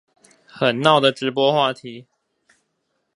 很鬧的直播話題